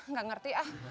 gak ngerti ah